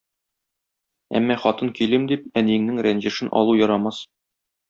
әмма хатын көйлим дип, әниеңнең рәнҗешен алу ярамас.